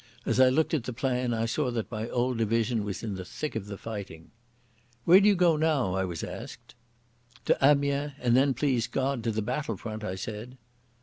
As I looked at the plan I saw that my old division was in the thick of the fighting. "Where do you go now?" I was asked. "To Amiens, and then, please God, to the battle front," I said.